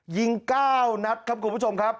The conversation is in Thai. ยิง๙นัดครับคุณผู้ชมครับ